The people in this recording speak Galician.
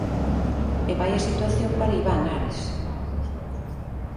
E vaia situación para Iván Ares.